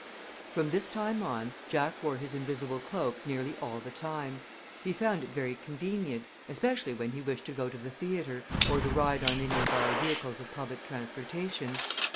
From this time on Jack wore his invisible cloak nearly all the time. He found it very convenient, especially when he wished to go to the theatre, or to ride on any of our vehicles of public transportation.